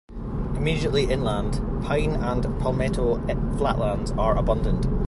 Immediately inland, pine and palmetto flatlands are abundant.